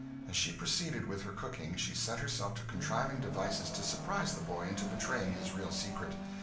As she proceeded with her cooking, she set herself to contriving devices to surprise the boy into betraying his real secret.